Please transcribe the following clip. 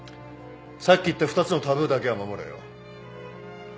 さっき言った２つのタブーだけは守れよ。